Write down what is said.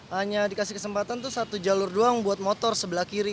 hanya dikasih kesempatan tuh satu jalur doang buat motor sebelah kiri